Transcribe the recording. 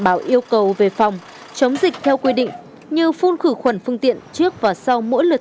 bảo yêu cầu về phòng chống dịch theo quy định như phun khử khuẩn phương tiện trước và sau mỗi lượt